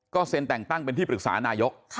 เซ็นแต่งตั้งเป็นที่ปรึกษานายก